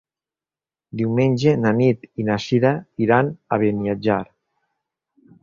Diumenge na Nit i na Sira iran a Beniatjar.